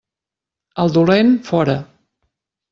El dolent, fora.